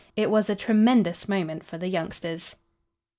It was a tremendous moment for the youngsters.